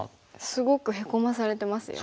すごくヘコまされてますよね。